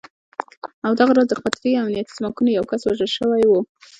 او دغه راز د قطري امنیتي ځواکونو یو کس وژل شوی و